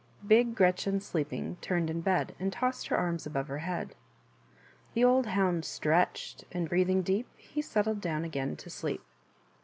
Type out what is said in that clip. % Bi>Cre^cj&ff/t^sleeping, Turned m bed. And tossed her arms Above her he ad. 3 The old Hound stretched, Andjbreathing deep, He settled down Again to sleep.